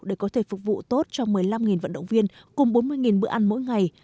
để có thể phục vụ tốt cho một mươi năm vận động viên cùng bốn mươi bữa ăn mỗi ngày